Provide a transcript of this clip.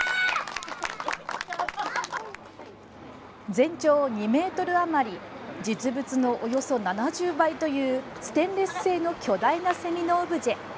全長２ｍあまり実物のおよそ７０倍というステンレス製の巨大なセミのオブジェ。